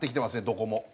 どこも。